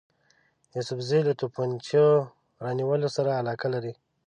یوسفزي له توپنچو رانیولو سره علاقه لري.